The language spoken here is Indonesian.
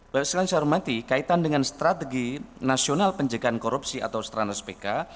sekali lagi saya hormati kaitan dengan strategi nasional penjagaan korupsi atau stranas pk